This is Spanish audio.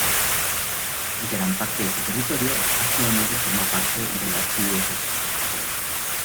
Gran parte de su territorio actualmente forma parte de la archidiócesis de Pamplona.